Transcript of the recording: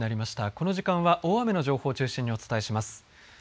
この時間は大雨の情報を中心にお伝えします。